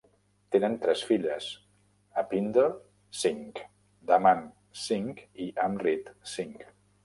Tenen tres filles, Upinder Singh, Daman Singh i Amrit Singh.